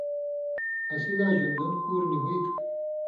اسی لا ژؤن٘دُن کُور نی ہُوئ تُھو